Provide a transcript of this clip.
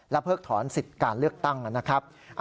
และเพิกถอนศิษย์การเลือกตั้งนะครับ